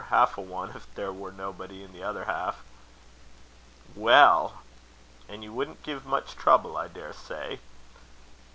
Half a one, if there were nobody in the other half." "Well! and you wouldn't give much trouble, I daresay."